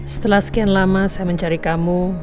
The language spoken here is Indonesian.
setelah sekian lama saya mencari kamu